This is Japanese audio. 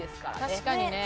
確かにね。